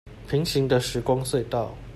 平行的時光隧道